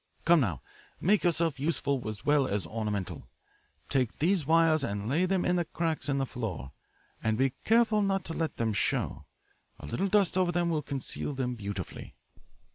Come now, make yourself useful as well as ornamental. Take these wires and lay them in the cracks of the floor, and be careful not to let them show. A little dust over them will conceal them beautifully."